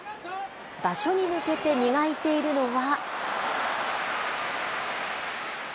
場所に向けて磨いているのは。